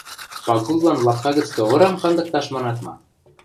— Пагуллан лапка гӹц товырам кандыкташ манат ма?